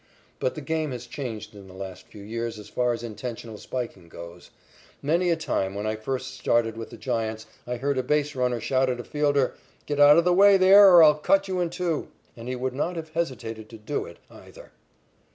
But the game has changed in the last few years as far as intentional spiking goes. Many a time, when I first started with the Giants, I heard a base runner shout at a fielder: "Get out of the way there or I'll cut you in two!" And he would not have hesitated to do it, either.